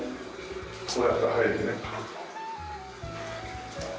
こうやって入るね。